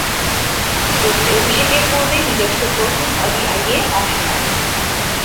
টেস্টে অভিষেকের পূর্বে নিজস্ব প্রথম ওডিআইয়ে অংশ নেন।